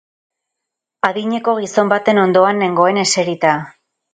Adineko gizon baten ondoan nengoen eserita.